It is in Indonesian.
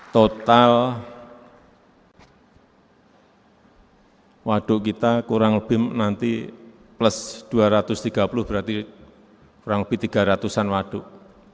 total waduk kita kurang lebih nanti plus dua ratus tiga puluh berarti kurang lebih tiga ratus an waduk